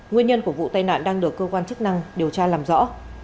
nguyên nhân của vụ tai nạn đang được cơ quan chức năng điều tra làm rõ